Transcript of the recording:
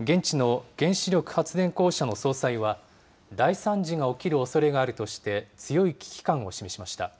現地の原子力発電公社の総裁は、大惨事が起きるおそれがあるとして、強い危機感を示しました。